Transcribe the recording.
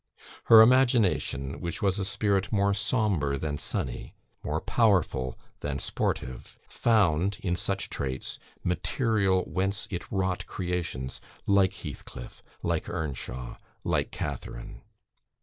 Her imagination, which was a spirit more sombre than sunny more powerful than sportive found in such traits material whence it wrought creations like Heathcliff, like Earnshaw, like Catherine.